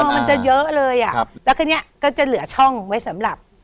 มันจะเยอะเลยอ่ะครับแล้วทีนี้ก็จะเหลือช่องไว้สำหรับ